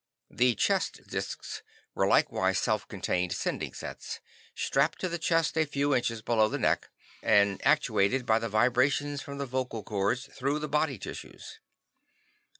The chest discs were likewise self contained sending sets, strapped to the chest a few inches below the neck and actuated by the vibrations from the vocal cords through the body tissues.